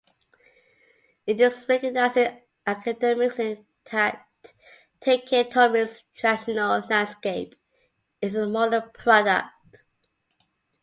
It is recognized in academics that Taketomi's "traditional" landscape is a modern product.